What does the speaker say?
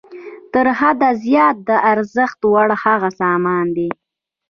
تر حد زیات د ارزښت وړ هغه سامان دی